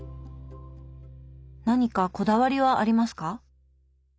何かこだわりはありますか？